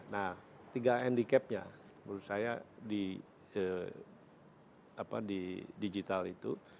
nah tiga handicapnya menurut saya di digital itu